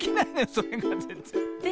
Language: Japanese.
それがぜんぜん。